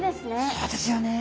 そうですよね。